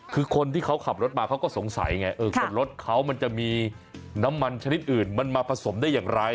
คือคนที่เขาขับรถมาเขาก็สงสัยไงกับรถเขามันจะมีน้ำมันชนิดอื่นมันมาผสมได้อย่างไร